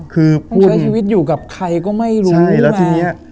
คือต้องใช้ชีวิตอยู่กับใครก็ไม่รู้นะ